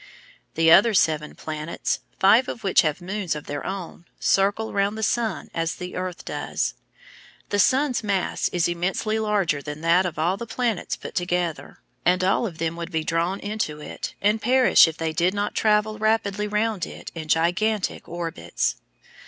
The other seven planets, five of which have moons of their own, circle round the sun as the earth does. The sun's mass is immensely larger than that of all the planets put together, and all of them would be drawn into it and perish if they did not travel rapidly round it in gigantic orbits.